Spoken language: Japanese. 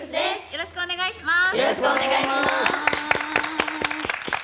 よろしくお願いします。